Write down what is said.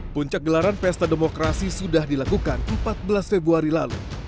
puncak gelaran pesta demokrasi sudah dilakukan empat belas februari lalu